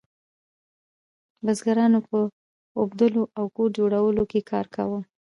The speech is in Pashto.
بزګرانو په اوبدلو او کور جوړولو کې کار کاوه.